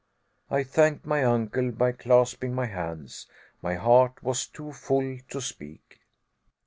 I thanked my uncle by clasping my hands. My heart was too full to speak.